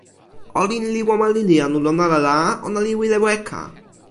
olin li wawa lili anu lon ala la, ona li wile weka.